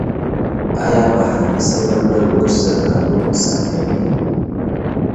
ایا بهرني سوداګر وچ زردالو صادروي؟